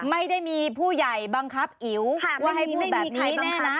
ไม่ได้มีผู้ใหญ่บังคับอิ๋วว่าให้พูดแบบนี้แน่นะ